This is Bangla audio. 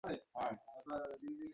আমাদের পিছনে ফিরে যেতে হবে।